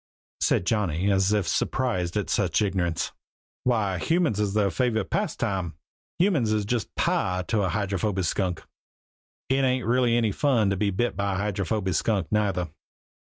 said Johnny, as if surprised at such ignorance. "Why, humans is their favorite pastime! Humans is just pie to a Hydrophoby Skunk. It ain't really any fun to be bit by a Hydrophoby Skunk neither."